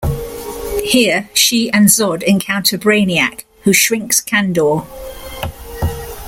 Here, she and Zod encounter Brainiac, who shrinks Kandor.